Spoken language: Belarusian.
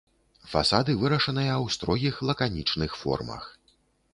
Фасады вырашаныя ў строгіх лаканічных формах.